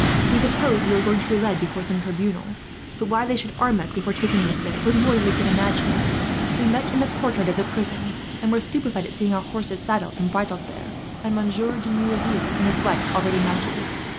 We supposed we were going to be led before some tribunal; but why they should arm us, before taking us there, was more than we could imagine. "We met in the courtyard of the prison, and were stupefied at seeing our horses saddled and bridled there, and Monsieur De Merouville and his wife already mounted.